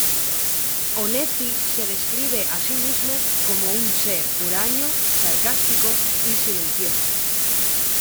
Onetti se describe a sí mismo como un ser huraño, sarcástico y silencioso.